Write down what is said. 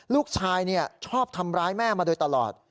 ลูกชายชอบทำร้ายแม่มาโดยตลอด